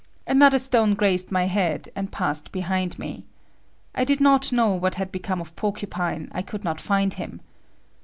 Another stone grazed my head, and passed behind me. I did not know what had become of Porcupine, I could not find him.